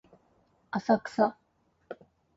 浅草